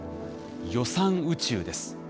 予算宇宙です。